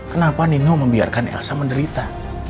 kenapa nino membiarkan elsa menderita